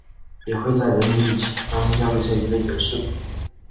也会在人名与剧情当中加入这一类元素。